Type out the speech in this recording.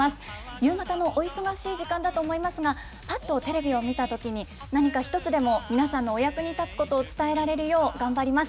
夕方のお忙しい時間だと思いますが、ぱっとテレビを見たときに、何か一つでも皆さんのお役に立つことを伝えられるよう、頑張ります。